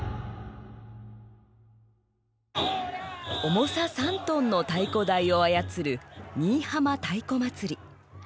重さ３トンの太鼓台を操る新居浜太鼓祭り。